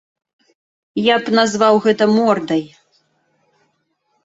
Я б назваў гэта мордай.